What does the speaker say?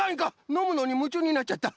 のむのにむちゅうになっちゃった。